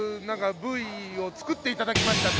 ＶＴＲを作っていただきました。